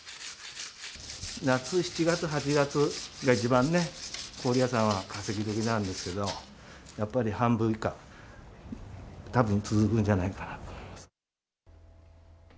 夏、７月、８月が一番ね、氷屋さんは稼ぎ時なんですけど、やっぱり半分以下、たぶん続くんじゃないかなと思います。